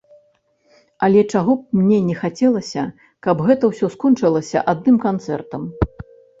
Але чаго б мне не хацелася, каб гэта ўсё скончылася адным канцэртам.